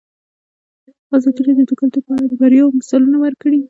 ازادي راډیو د کلتور په اړه د بریاوو مثالونه ورکړي.